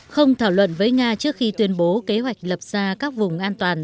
không thảo luận với nga trước khi tuyên bố kế hoạch lập ra các vùng an toàn